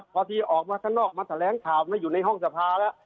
พอที่ออกมาข้างนอกมาแถลงข่าวไม่อยู่ในห้องสภาแล้ว